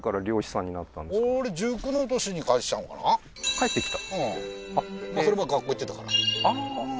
帰って来た？